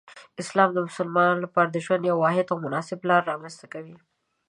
اسلام د مسلمانانو لپاره د ژوند یو واحد او مناسب لار رامنځته کوي.